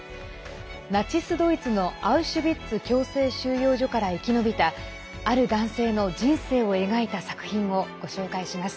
ナチス・ドイツのアウシュビッツ強制収容所から生き延びた、ある男性の人生を描いた作品をご紹介します。